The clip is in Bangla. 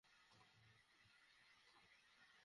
আর ছোট্ট একটা নাম ট্যাগ।